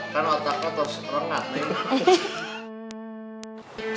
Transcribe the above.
kan otaknya terus renang